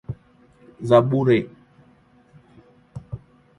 za bure